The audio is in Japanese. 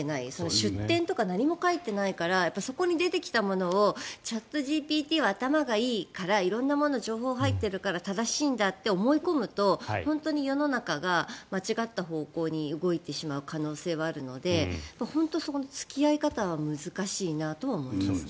出典とか何も書いてないからそこに出てきたものをチャットＧＰＴは頭がいいから色んな情報が入っているから正しいんだって思い込むと本当に世の中が間違った方向に動いてしまう可能性はあるので本当にそこの付き合い方は難しいなとは思いますね。